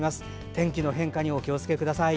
天気の変化にお気をつけください。